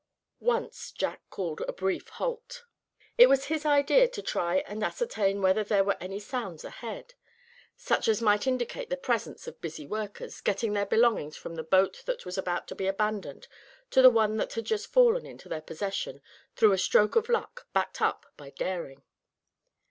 Once Jack called a brief halt. It was his idea to try and ascertain whether there were any sounds ahead, such as might indicate the presence of busy workers, getting their belongings from the boat that was about to be abandoned to the one that had just fallen into their possession, through a stroke of luck, backed up by daring.